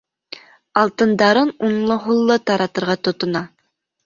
Алтындарын уңлы-һуллы таратырға тотона.